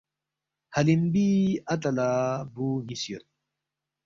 حلیمبی بی اَتا لا بو نیس یود۔